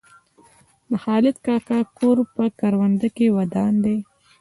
د خالد کاکا کور په کرونده کې ودان دی.